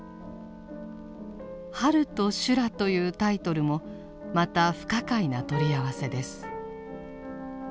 「春と修羅」というタイトルもまた不可解な取り合わせです。